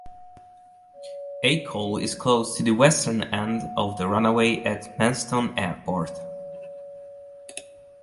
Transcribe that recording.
Acol is close to the Western end of the runway at Manston Airport.